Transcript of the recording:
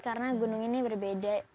karena gunung ini berbeda